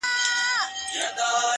شعرونه نور ورته هيڅ مه ليكه،